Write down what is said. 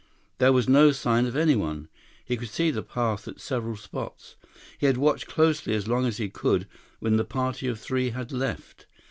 There was no sign of anyone. He could see the path at several spots. He had watched closely as long as he could when the party of three had left.